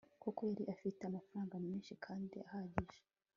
kuko yari afite amafaranga menshi kandi ahagije